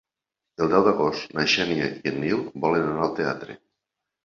El deu d'agost na Xènia i en Nil volen anar al teatre.